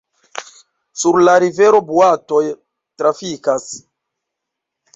Sur la rivero boatoj trafikas.